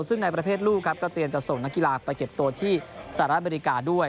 ซึ่งในประเภทลูกครับก็เตรียมจะส่งนักกีฬาไปเก็บตัวที่สหรัฐอเมริกาด้วย